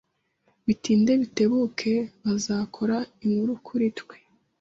Bitinde bitebuke, bazakora inkuru kuri twe.